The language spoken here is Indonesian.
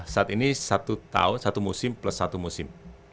saat ini satu tahun satu musim plus satu musim